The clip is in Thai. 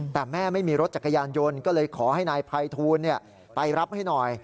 แต่แม่ไม่มีรถจักรยานยนต์ก็เลยขอให้นายภัยทูลไปรับให้หน่อย